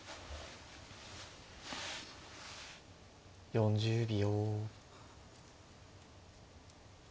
４０秒。